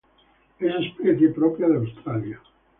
Es especie propia de Australia.